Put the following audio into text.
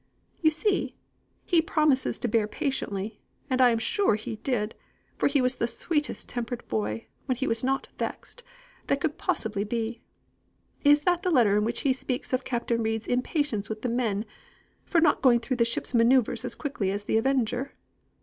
You see, he promises to bear patiently, and I am sure he did, for he was the sweetest tempered boy, when he was not vexed, that could possibly be. Is that the letter in which he speaks of Captain Reid's impatience with the men, for not going through the ship's manœuvres as quickly as the Avenger?